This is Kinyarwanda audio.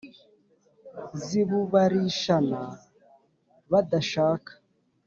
zibubarishana badashaka.